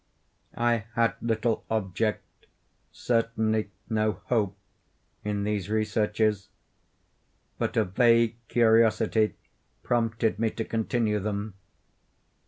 I had little object—certainly no hope—in these researches; but a vague curiosity prompted me to continue them.